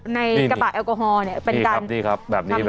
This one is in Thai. ในกระเป๋าแอลกอฮอล์เนี่ยเป็นการนำระสิ่งสกปรกนะคะ